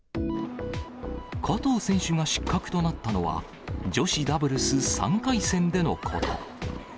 加藤選手が失格となったのは、女子ダブルス３回戦でのこと。